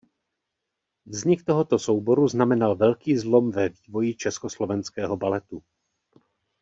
Vznik tohoto souboru znamenal velký zlom ve vývoji československého baletu.